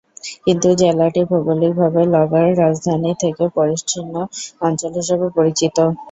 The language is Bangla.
কিন্তু জেলাটি ভৌগোলিকভাবে লগার রাজধানী থেকে বিচ্ছিন্ন অঞ্চল হিসেবে পরিচিত।